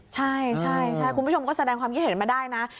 ใช่ใช่คุณผู้ชมก็แสดงความคิดเห็นมาได้นะ